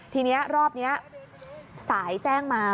ทีนี้รอบนี้สายแจ้งมา